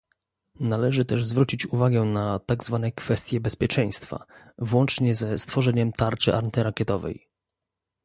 Należy też zwrócić uwagę na tak zwane kwestie "bezpieczeństwa", włącznie ze "stworzeniem tarczy antyrakietowej"